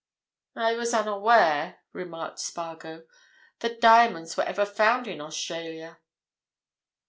"I was unaware," remarked Spargo, "that diamonds were ever found in Australia."